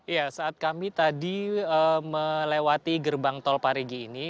ya saat kami tadi melewati gerbang tol parigi ini